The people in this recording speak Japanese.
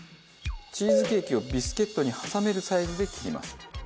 チーズケーキをビスケットに挟めるサイズで切ります。